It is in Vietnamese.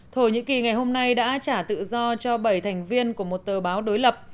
thổ nhĩ kỳ ngày hôm nay đã trả tự do cho bảy thành viên của một tờ báo đối lập